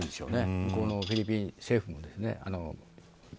向こうのフィリピン政府も。